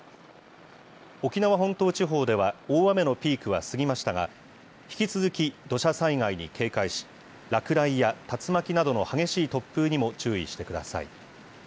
沖縄本島地方では、大雨のピークは過ぎましたが、引き続き土砂災害に警戒し、落雷や竜巻などの激しい突風にも注意してください。